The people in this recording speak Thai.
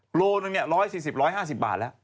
โปรดหนึ่งเนี่ย๑๔๐๑๕๐บาทแล้ว